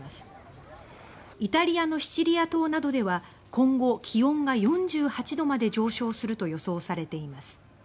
イタリアのシチリア島などでは今後、気温が４８度まで上昇すると予想されています。